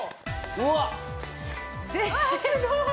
うわっすごーい！